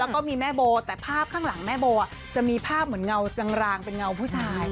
แล้วก็มีแม่โบแต่ภาพข้างหลังแม่โบจะมีภาพเหมือนเงากลางเป็นเงาผู้ชาย